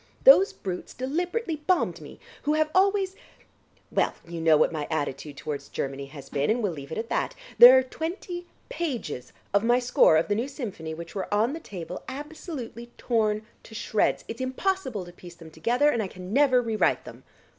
Those brutes deliberately bombed me, who have always ... well, you know what my attitude towards Germany has been, and we'll leave it at that. There are twenty pages of my score of the new symphony which were on the table, absolutely torn to shreds. It's impossible to piece them together, and I can never re write them."